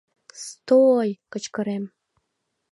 — Сто-ой! — кычкырем.